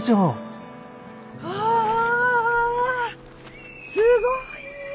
あすごい！